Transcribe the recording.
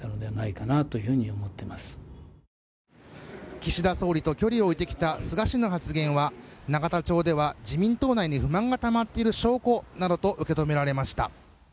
岸田総理と距離を置いてきた菅氏の発言は、永田町では、自民党内に不満がたまっている証拠などと受け止められました。